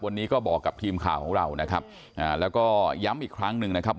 วันนี้ก็บอกกับทีมข่าวของเรานะครับอ่าแล้วก็ย้ำอีกครั้งหนึ่งนะครับ